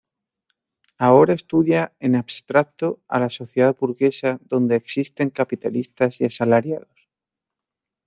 Ahora estudia en abstracto a la sociedad burguesa donde existen capitalistas y asalariados.